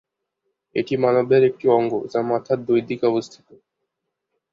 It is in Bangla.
এটি মানবদেহের একটি অঙ্গ, যা মাথার দুই দিকে অবস্থিত।